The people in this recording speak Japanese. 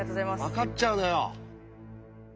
わかっちゃうのよ。